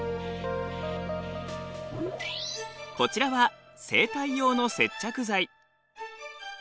こちらは生体用の接着剤。